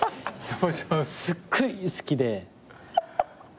すっごい好きで何か。